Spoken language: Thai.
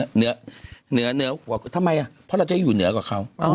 เหนือเท่าไหร่ก็ทำไมอ่ะเราจะอยู่เหนือกับเขา